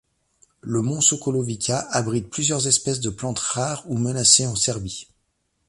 Le mont Sokolovica abrite plusieurs espèces de plantes rares ou menacées en Serbie.